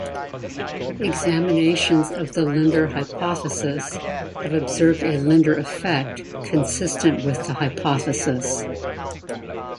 Examinations of the Linder hypothesis have observed a "Linder effect" consistent with the hypothesis.